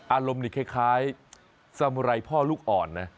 อารมณ์นี่คล้ายสมุไรพ่อลูกอ่อนนะ